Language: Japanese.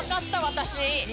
私。